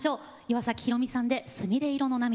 岩崎宏美さんで「すみれ色の涙」。